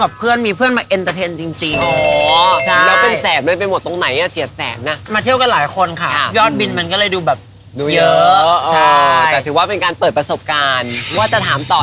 แล้วนังเลกนังได้นะ